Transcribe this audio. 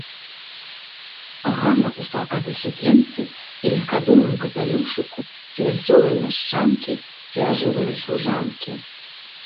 Ганна ў стракатай сукенцы і легкадумным капялюшыку ці вясёлай мяшчанкі, ці ажыўленай служанкі.